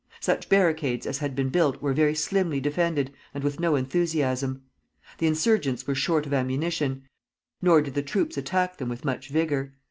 Such barricades as had been built were very slimly defended, and with no enthusiasm. The insurgents were short of ammunition, nor did the troops attack them with much vigor.